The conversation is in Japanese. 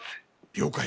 了解。